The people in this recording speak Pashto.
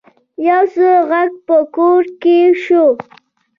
يو څه غږ په کور کې شو.